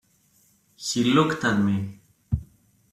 He looked at me.